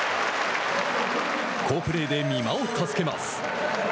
好プレーで美馬を助けます。